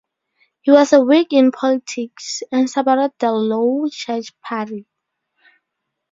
He was a Whig in politics, and supported the Low Church party.